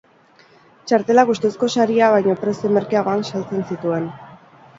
Txartelak ustezko saria baino prezio merkeagoan saltzen zituen.